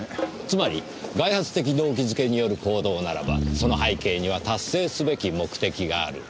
つまり外発的動機づけによる行動ならばその背景には達成すべき目的がある。